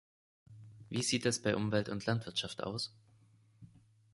Wie sieht es bei Umwelt und Landwirtschaft aus?